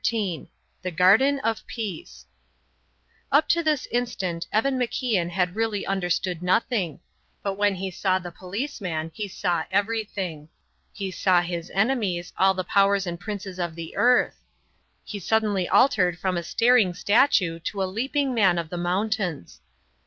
XIII. THE GARDEN OF PEACE Up to this instant Evan MacIan had really understood nothing; but when he saw the policeman he saw everything. He saw his enemies, all the powers and princes of the earth. He suddenly altered from a staring statue to a leaping man of the mountains.